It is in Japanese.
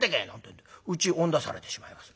んでうち追ん出されてしまいます。